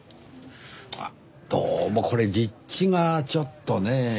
あっどうもこれ立地がちょっとねぇ。